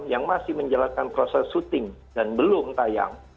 yang masih menjalankan proses syuting dan belum tayang